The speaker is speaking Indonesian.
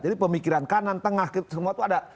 jadi pemikiran kanan tengah semua itu ada